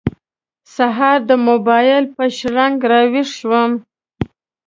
سهار د موبایل په شرنګ راوېښ شوم.